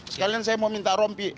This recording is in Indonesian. sekalian saya mau minta rompi